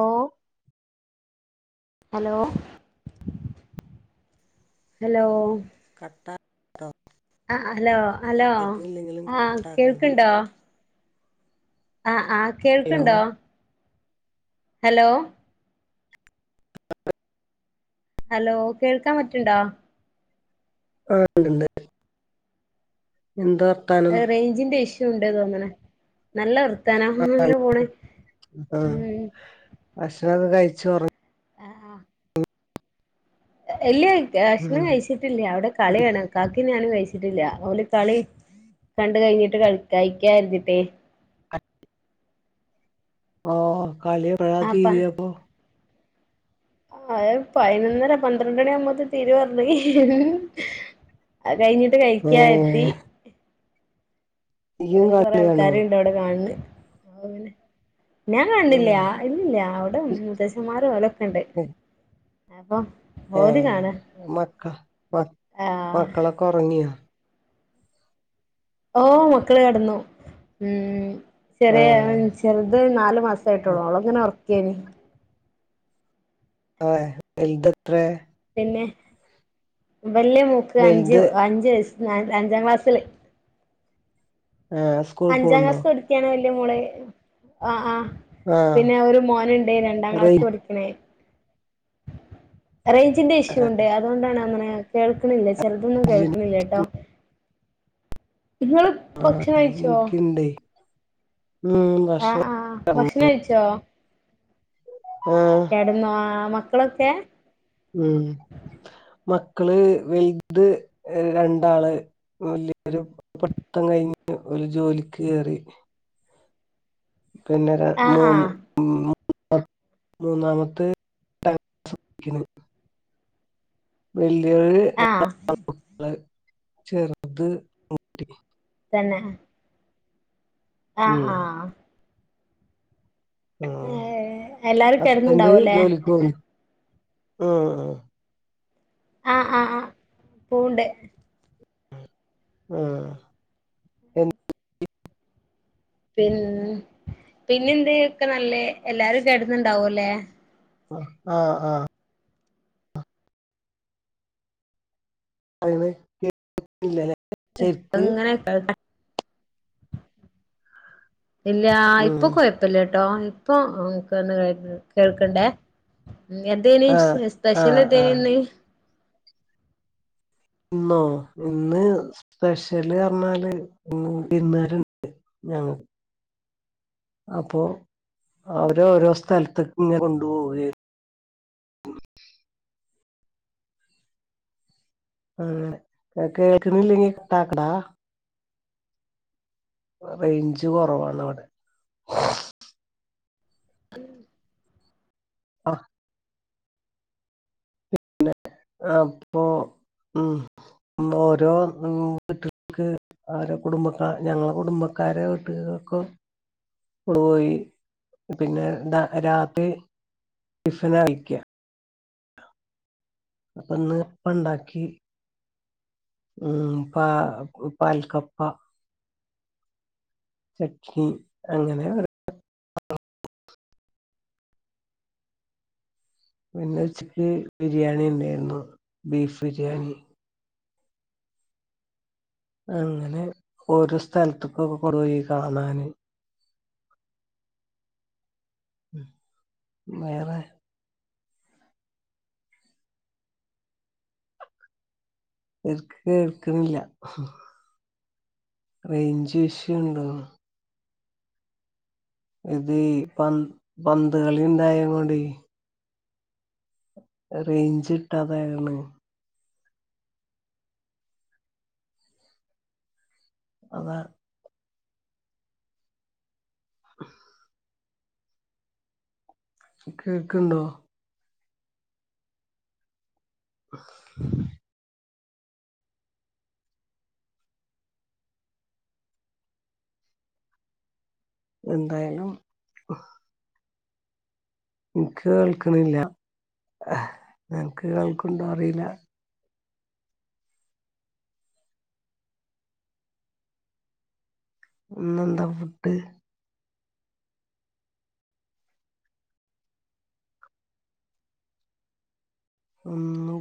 ഓ hello hello കട്ട ആഹ് hello hello കേൾക്കണില്ലെങ്കിലും ആഹ് കട്ടാക്കണ്ട കേൾക്കണ്ടോ? ആ ആ ഹലോ കേൾക്ക്‌ണ്ടോ? ഹലോ ഹലോ കേൾക്കാൻ പറ്റുണ്ടോ? ആ ണ്ട്ണ്ട് എന്താ വർത്താനം എറേഞ്ചിന്റെ ഇഷ്യൂണ്ട് തോന്നനെ നല്ല വർത്താനം അങ്ങനെ പോണ് ആ ഉം ഭക്ഷണൊക്കെ കഴിചൊറ ആഹ് ആഹ് ഇല്ല ഭക്ഷണം ഉം കഴിച്ചിട്ടില്ല അവിടെ കളി കുടി കാണാ കാക്കിം ഞാനും കഴിച്ചിട്ടില്ല ഓല് കളി കണ്ട് കഴിഞ്ഞിട്ട് കഴി കഴിക്കരുന്നിട്ടേ ഓ കളിയെപ്പളാ ആപ്പ തീരാപ്പോ അത് പൈതിനൊന്നര പന്ത്രണ്ട്ര മണിയ ആവുമ്പോത്ത തീരു പറഞ്ഞി അതെകഴിഞ്ഞിട്ട് ഏ കഴിക്കാ കരുതി ഇയ്യും ഒര് ക്കുറെ കളിയാണോ ആൾക്കാാര് ണ്ട് ഔടെ കാണന്ന് ഞാൻ ഏ കാണുണില്ല ഇല്ലില്ല അവിട മുത്തശ്ശന്മാരും ഒലൊക്കെ ണ്ട് അപ്പൊ ഓര് ഏഹ് കാണാ മക്ക മക് ആഹ് മക്കളൊക്കെ ഉറങ്ങിയൊ? ഓ മക്കള് കടന്നു മ്മ് ആ ചെറിയെ ചെറുത് നാല് മാസയിട്ടുള്ളു ഓളങ്ങനെ ഓർക്കയനു ആ വെൽദത്രെ പിന്നെ വല്യ മോൾക്ക് അഞ്ച് വലുത് അഞ്ച വയസ് അഞ്ചാം ക്ലാസ്സില് ആഹ് അഞ്ചാം ക്ലാസ് പഠിക്കാണ് വല്യ മോള് ആഹ് ആഹ് ആ പിന്നെ ഒരു മോനുണ്ട് രണ്ടാം ക്ലാസ് പഠിക്കണേ റേഞ്ചിന്റെ ഇഷ്യൂ ഉണ്ട് അതുകൊണ്ടാണ് അങ്ങനെ കേൾക്കുന്നില്ലേ ചെറതൊന്നും റേഞ്ചിന് കേൾക്കുന്നില്ലട്ടോ ഇങ്ങള് ഭക്ഷണം കഴിച്ചോ? എനിക്കിണ്ടേ ഉം ആഹ് ആഹ് ഭക്ഷണം ഭക്ഷണം കഴിച്ചോ ആ കടന്നോ ആഹ് ക്കളൊക്കെ ഉം മക്കള് വലുത് രണ്ടാള് വലീയൊരു പട്ടം കഴിഞ്ഞ് ഒരു ജോലിക്ക് കേയറി പിന്നെരു ആഹ് മൂന്ന് ആഹ് [inaudible] മൂന്നാമത്തെ ക്കിന് വലിയൊരുള് ആഹ് [inaudible] ചെറുത് തന്നെ ഉം ആഹ് ആഹ് ആഹ് ഏഹ് എല്ലാരും ഹസ്ബന്റ് കെടന്നുണ്ടാവൂല്ലേ ജോലിക്ക് പോന്നുന്നു ആഹ് ആഹ് ആഹ് ആഹ് പൂണ്ട് ആഹ് പിൻ പിന്നെന്ത് ഒക്കെ നല്ലേ എല്ലാരും കേടുന്നുണ്ടാവ ല്ലേ ആ ആ ഹൈവേ [unintelligible] [unintelligible] ഇല്ല ഉം ഇപ്പൊ കൊഴപ്പില്ലട്ടോ ഇപ്പൊ [unintelligible] കേൾക്ക്ണ്ടേ എന്തേന് ആഹ് [unintelligible] സ്പെഷ്യൽ ആഹ് എന്തേനു ആഹ് ഇന്ന് ഇന്നോ ഇന്ന് പെഷ്യല് റഞ്ഞാല് മ് വിരുന്നുകാരുണ്ട് ഞങ്ങ അപ്പോ അവരെ ഓരോ സ്ഥലത്ത്ക്ക് ഇങ്ങനെ കൊണ്ടു പോകയായി ആ കേൾക്കണീല്ലെങ്കി കട്ടാക്കടാ റേയ്ഞ്ച് കൊറവാണവിടെ [unintelligible] ആഹ് [unintelligible] അപ്പൊ ഉം മോരോ [unintelligible] അവരെ കുടുംബക്കാ ഞങ്ങളെ കുടുംബക്കാരെ വീട്ടുകാർക്കും പോയി പിന്നെ ന്താ രാത്രി ടിഫനഴിക്ക അപ്പൊ ഇന്ന് അപ്പണ്ടാക്കി മ് പ പാൽ കപ്പ ചട്നി അങ്ങനെ ഓരോ ഇന്ന് ഉച്ചക്ക് ബിരിയാണി ഉണ്ടാരുന്നു ബീഫ് ബിരിയാണി അങ്ങനെ ഓരോ സ്ഥലത്തുക്കൊക്കെ കൊറെ കാണാന് വേറെ [unintelligible] കേൾക്ക്ണില്ല്യാ റേയ്ഞ്ച് വിഷയോണ്ടോ ഇത് പന്ത് പന്തുകളിണ്ടായ കൊണ്ടെ റേയ്ഞ്ച് കിട്ടാതായുള്ളു അതാ [inaudible] കേക്ക്ണ്ടോ എന്തായാലും എന്ക്ക് കേൾക്കണില്ല നിനക്ക് കേൾക്ക്ണ്ടോ അറിയില്ല ഇന്നെന്താ ഫുഡ് [unintelligible]